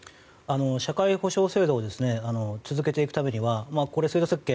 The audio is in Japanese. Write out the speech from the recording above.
社会保障制度を続けていくためには制度設計